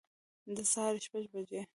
د سهار شپږ بجي